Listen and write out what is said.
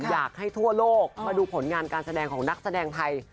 อยากให้ทั่วโลกมาดูผลงานการแสดงของนักแสดงไทย